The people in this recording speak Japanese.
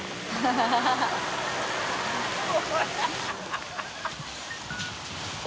ハハハ